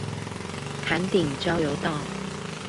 崁頂交流道